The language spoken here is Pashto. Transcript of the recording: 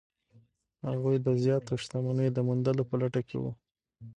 هغوی د زیاتو شتمنیو د موندلو په لټه کې وو.